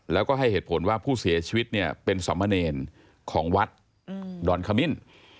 แล้วก็ให้เหตุผลว่าผู้เสียชีวิตเนี่ยเป็นสมเนรของวัดดอนขมิ้น